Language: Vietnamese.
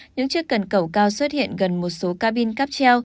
những chiếc cần cẩu cao xuất hiện gần một số cabin cắp treo